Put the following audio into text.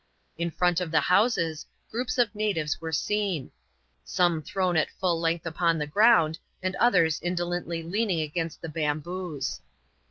In front of the houses, groups of natives were seen ; some thrown at full length upon the ground,' and others indolently leaning against the bamboos.